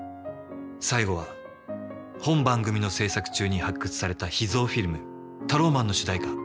最後は本番組の制作中に発掘された秘蔵フィルムタローマンの主題歌